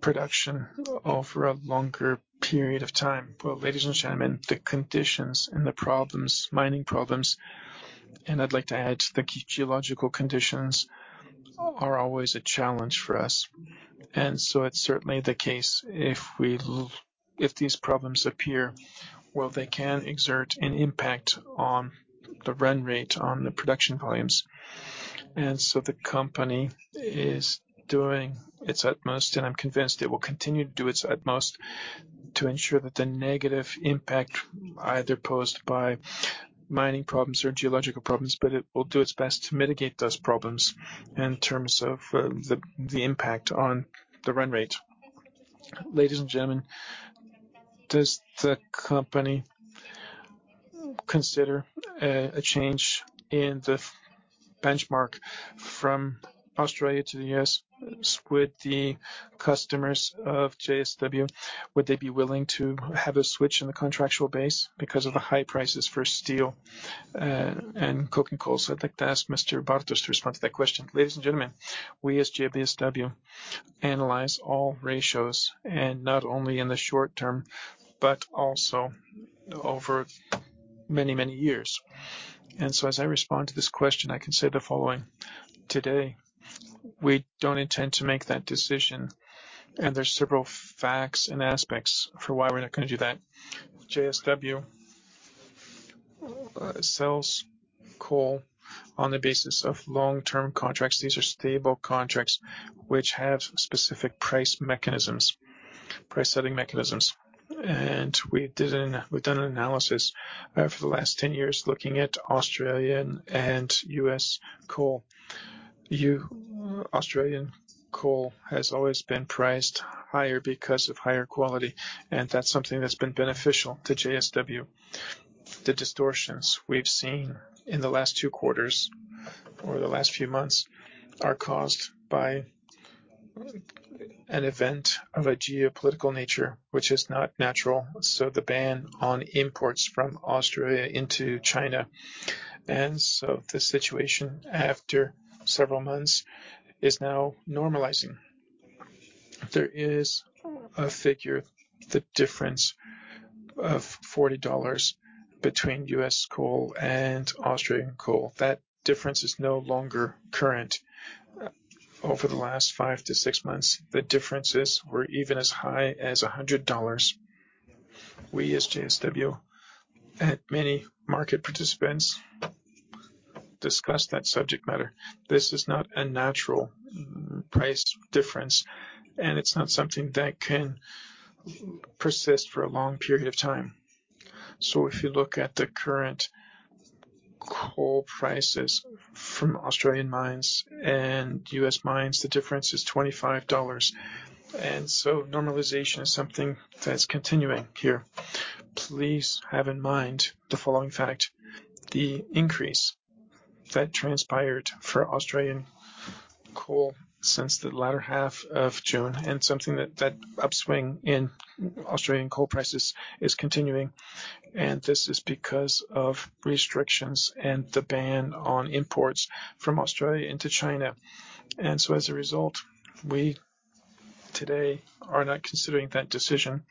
Speaker 1: production over a longer period of time. Well, ladies and gentlemen, the conditions and the mining problems, and I'd like to add, the geological conditions are always a challenge for us. It's certainly the case if these problems appear, well, they can exert an impact on the run rate, on the production volumes. The company is doing its utmost, and I'm convinced it will continue to do its utmost to ensure that the negative impact either posed by mining problems or geological problems, but it will do its best to mitigate those problems in terms of the impact on the run rate. Ladies and gentlemen, does the company consider a change in the benchmark from Australia to the U.S. with the customers of JSW? Would they be willing to have a switch in the contractual base because of the high prices for steel and coking coal? I'd like to ask Mr. Bartos to respond to that question.
Speaker 2: Ladies and gentlemen, we as JSW analyze all ratios, not only in the short term, but also over many, many years. As I respond to this question, I can say the following. Today, we don't intend to make that decision, there's several facts and aspects for why we're not going to do that. JSW sells coal on the basis of long-term contracts. These are stable contracts which have specific price mechanisms, price setting mechanisms. We've done an analysis for the last 10 years looking at Australian and U.S. coal. Australian coal has always been priced higher because of higher quality, that's something that's been beneficial to JSW. The distortions we've seen in the last two quarters or the last few months are caused by an event of a geopolitical nature, which is not natural. The ban on imports from Australia into China. The situation, after several months, is now normalizing. There is a figure, the difference of $40 between U.S. coal and Australian coal. That difference is no longer current. Over the last five-six months, the differences were even as high as $100. We as JSW and many market participants discuss that subject matter. This is not a natural price difference, and it's not something that can persist for a long period of time. If you look at the current coal prices from Australian mines and U.S. mines, the difference is $25. Normalization is something that's continuing here. Please have in mind the following fact. The increase that transpired for Australian coal since the latter half of June, that upswing in Australian coal prices is continuing. This is because of restrictions and the ban on imports from Australia into China. As a result, we today are not considering that decision.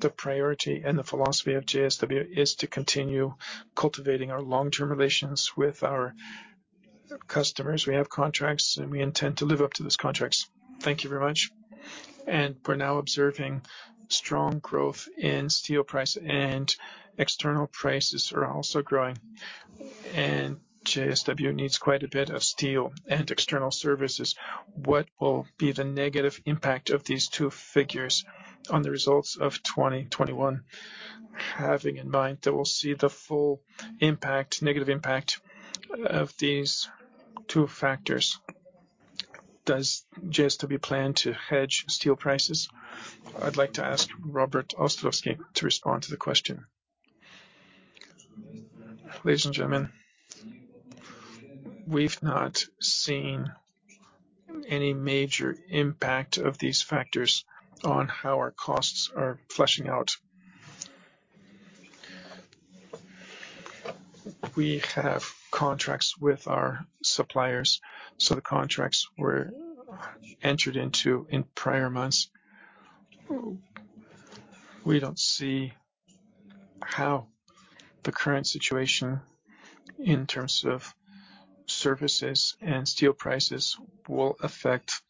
Speaker 2: The priority and the philosophy of JSW is to continue cultivating our long-term relations with our customers. We have contracts, and we intend to live up to those contracts.
Speaker 1: Thank you very much. We're now observing strong growth in steel price and external prices are also growing. JSW needs quite a bit of steel and external services. What will be the negative impact of these two figures on the results of 2021, having in mind that we'll see the full negative impact of these two factors? Does JSW plan to hedge steel prices? I'd like to ask Robert Ostrowski to respond to the question.
Speaker 3: Ladies and gentlemen, we've not seen any major impact of these factors on how our costs are fleshing out. We have contracts with our suppliers, so the contracts were entered into in prior months. We don't see how the current situation in terms of services and steel prices will affect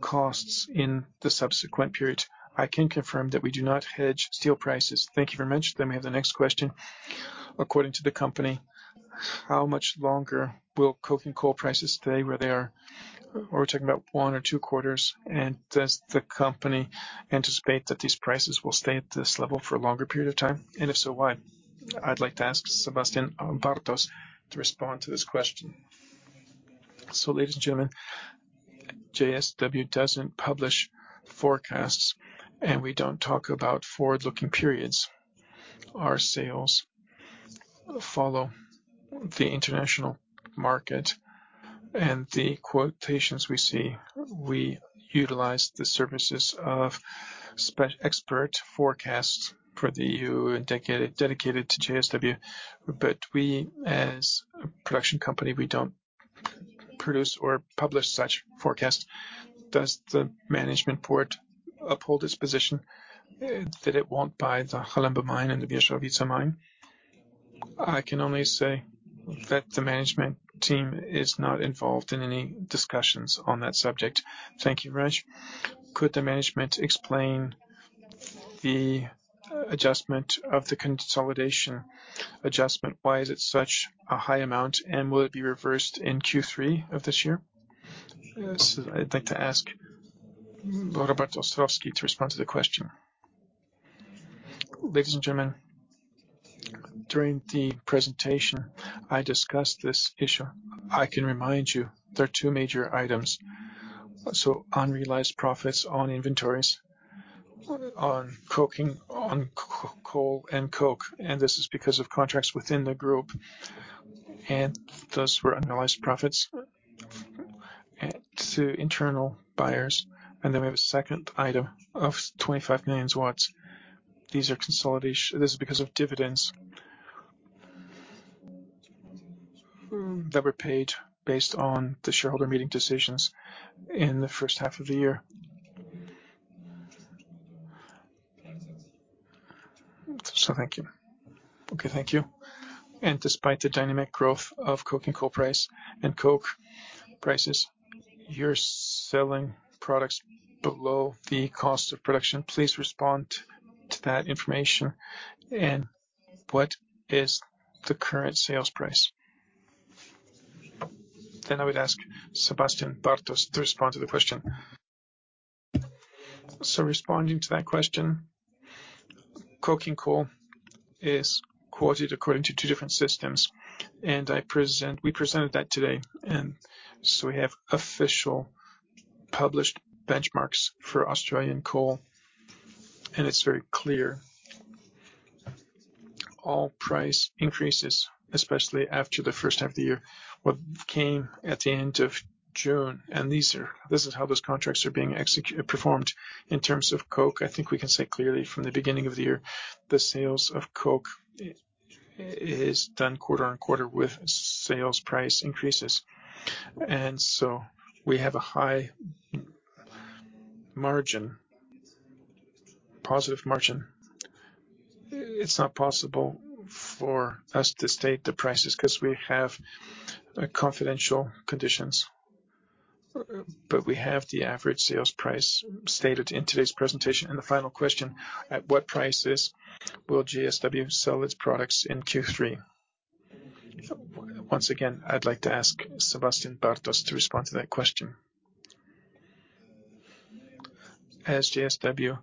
Speaker 3: costs in the subsequent period. I can confirm that we do not hedge steel prices.
Speaker 1: Thank you very much. We have the next question. According to the company, how much longer will coking coal prices stay where they are? Are we talking about one or two quarters? Does the company anticipate that these prices will stay at this level for a longer period of time, and if so, why? I'd like to ask Sebastian Bartos to respond to this question.
Speaker 2: Ladies and gentlemen, JSW doesn't publish forecasts, and we don't talk about forward-looking periods. Our sales follow the international market and the quotations we see. We utilize the services of expert forecasts dedicated to JSW, but we as a production company, we don't produce or publish such forecasts.
Speaker 1: Does the management board uphold its position that it won't buy the Halemba mine and the Wierzchowice mine? I can only say that the management team is not involved in any discussions on that subject. Thank you very much. Could the management explain the adjustment of the consolidation adjustment? Why is it such a high amount, and will it be reversed in Q3 of this year? I'd like to ask Robert Ostrowski to respond to the question.
Speaker 3: Ladies and gentlemen, during the presentation, I discussed this issue. I can remind you there are two major items. Unrealized profits on inventories on coking, on coal and coke, this is because of contracts within the group. Those were unrealized profits to internal buyers. We have a second item of 25 million. This is because of dividends that were paid based on the shareholder meeting decisions in the first half of the year. Thank you.
Speaker 1: Okay. Thank you. Despite the dynamic growth of coking coal price and coke prices, you're selling products below the cost of production. Please respond to that information and what is the current sales price? I would ask Sebastian Bartos to respond to the question.
Speaker 2: Responding to that question, coking coal is quoted according to two different systems, we presented that today. We have official published benchmarks for Australian coal, it's very clear. All price increases, especially after the first half of the year, what came at the end of June, this is how those contracts are being performed. In terms of coke, I think we can say clearly from the beginning of the year, the sales of coke is done quarter on quarter with sales price increases. We have a high margin, positive margin. It's not possible for us to state the prices because we have confidential conditions. We have the average sales price stated in today's presentation.
Speaker 1: The final question, at what prices will JSW sell its products in Q3? Once again, I'd like to ask Sebastian Bartos to respond to that question.
Speaker 2: As JSW,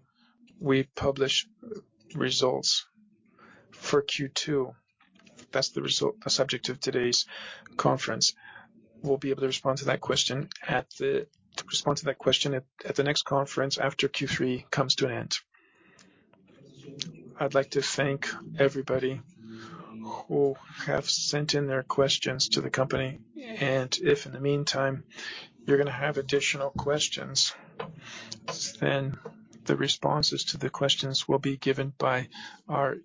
Speaker 2: we publish results for Q2. That's the subject of today's conference. We'll be able to respond to that question at the next conference after Q3 comes to an end.
Speaker 1: I'd like to thank everybody who have sent in their questions to the company. If in the meantime, you're going to have additional questions, then the responses to the questions will be given by our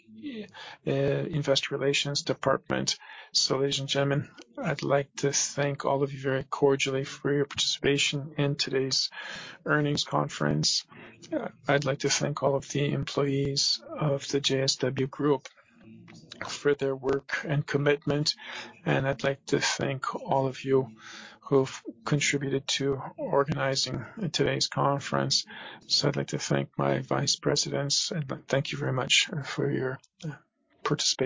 Speaker 1: investor relations department. Ladies and gentlemen, I'd like to thank all of you very cordially for your participation in today's earnings conference. I'd like to thank all of the employees of the JSW Group for their work and commitment, and I'd like to thank all of you who've contributed to organizing today's conference. I'd like to thank my vice presidents, and thank you very much for your participation